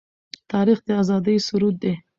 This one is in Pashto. تاریخ د آزادۍ سرود دی.